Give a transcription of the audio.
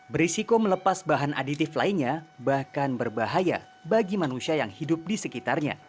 berisiko melepas bahan aditif lainnya bahkan berbahaya bagi manusia yang hidup di sekitarnya